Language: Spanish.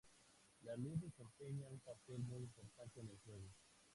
La luz desempeña un papel muy importante en el juego.